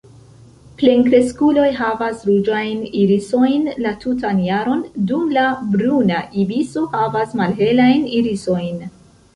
Plenkreskuloj havas ruĝajn irisojn la tutan jaron, dum la Bruna ibiso havas malhelajn irisojn.